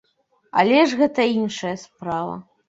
Але ж гэта іншая справа.